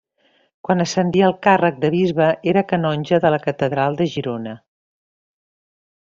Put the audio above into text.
Quan ascendí al càrrec de bisbe era canonge de la catedral de Girona.